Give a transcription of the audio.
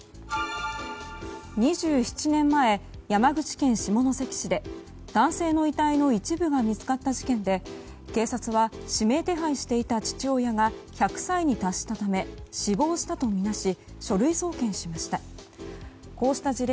２７年前、山口県下関市で男性の遺体の一部が見つかった事件で警察は指名手配していた父親が１００歳に達したため死亡したとみなし書類送検しました。